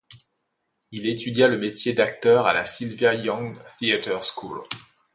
Il étudia le métier d'acteur à la Sylvia Young Theatre School.